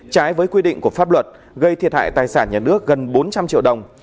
trái với quy định của pháp luật gây thiệt hại tài sản nhà nước gần bốn trăm linh triệu đồng